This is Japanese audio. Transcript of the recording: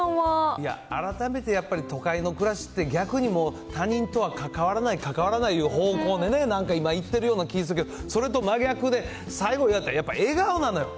いや、改めてやっぱり、都会の暮らしって逆にもう、他人とは関わらない、関わらないいう方向へね、なんか今、行ってるような気がするけど、それと真逆で、最後、やっぱ笑顔なのよ。